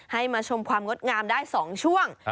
มาชมความงดงามได้๒ช่วง